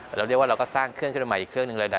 เราเรียกว่าเราก็สร้างเครื่องขึ้นมาอีกเครื่องหนึ่งเลยนะ